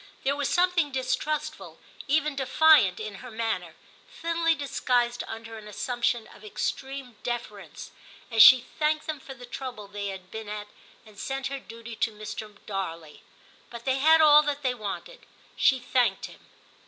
There was something distrustful, even defiant, in her manner, thinly disguised under an assumption of extreme deference, as she * thanked them for the trouble they had been at, and sent her duty to Mr. Darley ; but they had all that they wanted, she thanked him.